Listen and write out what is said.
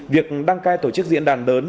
việc đăng cai tổ chức diễn đàn lớn